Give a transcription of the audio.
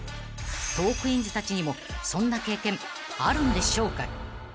［トークィーンズたちにもそんな経験あるんでしょうか？］